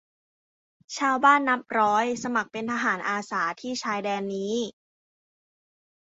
ชาวบ้านนับร้อยสมัครเป็นทหารอาสาที่ชายแดนนี้